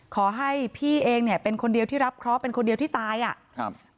ขอให้พี่เองเนี่ยเป็นคนเดียวที่รับเคราะห์เป็นคนเดียวที่ตายอ่ะครับ